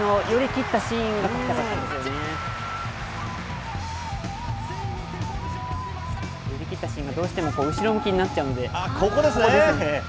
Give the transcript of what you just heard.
寄り切ったシーンがどうしても後ろ向きになっちゃうんで。